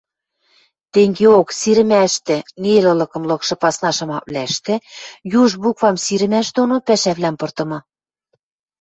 Тенгеок сирӹмӓштӹ нелӹлыкым лыкшы пасна шамаквлӓштӹ юж буквам сирӹмӓш доно пӓшӓвлӓм пыртымы.